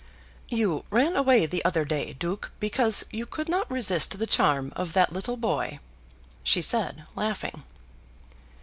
"You ran away the other day, Duke, because you could not resist the charm of that little boy," she said, laughing.